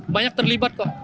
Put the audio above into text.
banyak terlibat kok